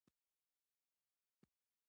هر سهار مو د یوه نوي فکر سره پیل کړئ.